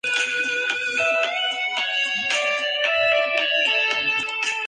Actualmente se hacen tejas de mortero de cemento, fraguado en moldes.